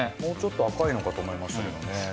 もうちょっと赤いのかと思いましたけどね